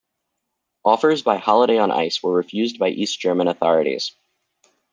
Offers by Holiday on Ice were refused by East German authorities.